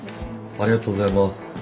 ありがとうございます。